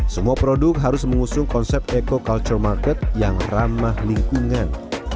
semua produk harus mengusung konsep eco culture market yang ramah lingkungan